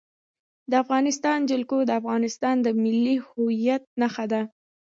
د افغانستان جلکو د افغانستان د ملي هویت نښه ده.